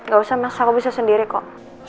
gak usah mas aku bisa sendiri kok